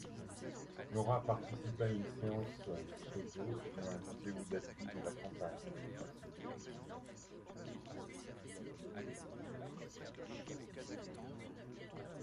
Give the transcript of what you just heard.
Laura a participé à une séance photo et un vidéo d'appui de la campagne.